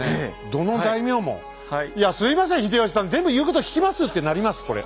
どの大名も「いやすいません秀吉さん全部言うこと聞きます」ってなりますこれ。